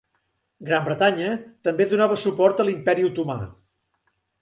Gran Bretanya també donava suport a l'imperi otomà.